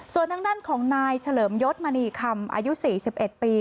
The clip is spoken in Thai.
ส่วนทางด้านของนายเฉลิมยศมณีคำอายุ๔๑ปี